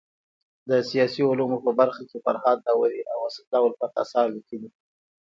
د سیاسي علومو په برخه کي فرهاد داوري او اسدالله الفت اثار ليکلي دي.